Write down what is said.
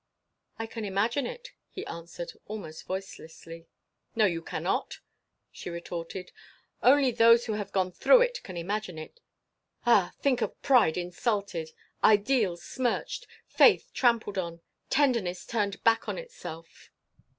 "I can imagine it," he answered, almost voicelessly. "No, you cannot," she retorted. "Only those who have gone through it can imagine it. Ah! think of pride insulted; ideals smirched; faith trampled on; tenderness turned back on itself!"